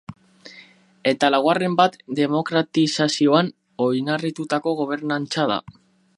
Eta laugarren bat demokratizazioan oinarritutako gobernantza da.